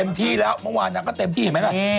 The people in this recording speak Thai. ที่แล้วเมื่อวานนางก็เต็มที่เห็นไหมล่ะ